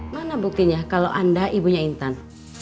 mana buktinya kalau anda ibunya intan